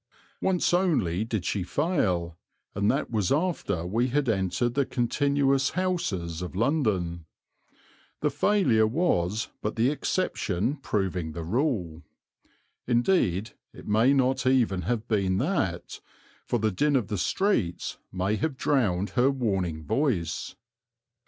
Once only did she fail, and that was after we had entered the continuous houses of London. The failure was but the exception proving the rule; indeed it may not even have been that; for the din of the streets may have drowned her warning voice.